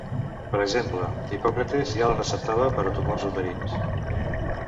Per exemple Hipòcrates ja la receptava per a tumors uterins.